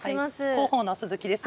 広報の鈴木です。